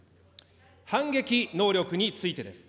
反撃能力についてです。